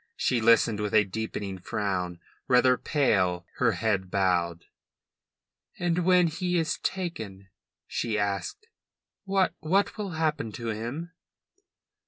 She listened with a deepening frown, rather pale, her head bowed. "And when he is taken," she asked, "what what will happen to him?"